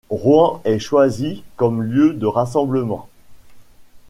Rouen est choisi comme lieu de rassemblement.